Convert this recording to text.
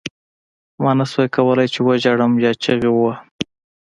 ما نشول کولای چې وژاړم یا چیغې ووهم